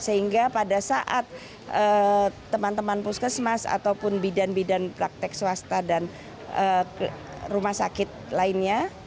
sehingga pada saat teman teman puskesmas ataupun bidan bidan praktek swasta dan rumah sakit lainnya